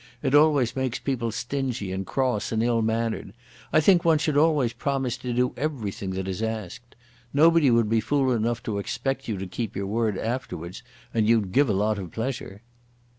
It always makes people stingy and cross and ill mannered. I think one should always promise to do everything that is asked. Nobody would be fool enough to expect you to keep your word afterwards, and you'd give a lot of pleasure."